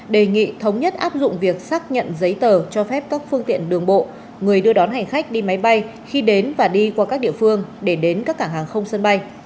đề nghị thống nhất áp dụng việc xác nhận giấy tờ cho phép các phương tiện đường bộ người đưa đón hành khách đi máy bay khi đến và đi qua các địa phương để đến các cảng hàng không sân bay